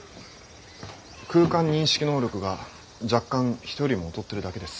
空間認識能力が若干人よりも劣ってるだけです。